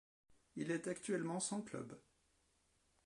Il est actuellement sans club.